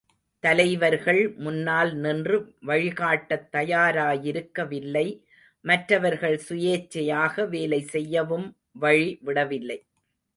தலைவர்கள் முன்னால் நின்று வழிகாட்டத் தயாராயிருக்கவில்லை மற்றவர்கள் சுயேச்சையாக வேலைசெய்யவும், வழி விடவில்லை.